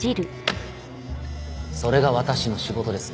それが私の仕事です。